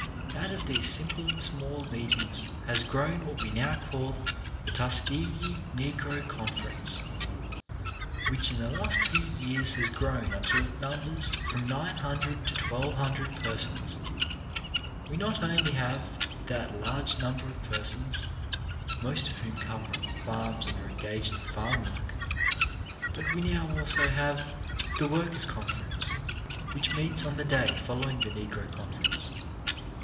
157 158 CHARACTER BUILDING Out of these simple and small meetings has grown what we now call "The Tuskegee Negro Conference," which, in the last few years, has grown until it numbers from nine hundred to twelve hundred persons. We not only have that large number of persons, most of whom come from farms and are engaged in farm work, but we now also have "The Workers' Conference," which meets on the day following the Negro Conference.